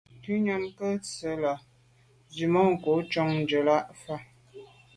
Ngùnyàm nke nse’ la’ tswemanko’ njon ngelan fa.